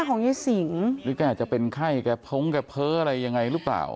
ของยายสิงหรือแกอาจจะเป็นไข้แกพ้งแกเพ้ออะไรยังไงหรือเปล่า